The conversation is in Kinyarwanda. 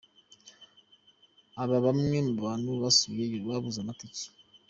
Aba bamwe mu bantu basubiyeyo babuze amatike.